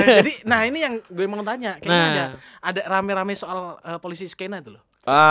jadi nah ini yang gue mau ngetanya kayaknya ada rame rame soal polisi iskena itu loh